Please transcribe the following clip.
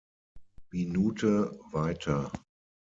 Minute weiter.